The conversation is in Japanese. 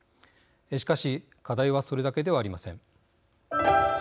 しかし、課題はそれだけではありません。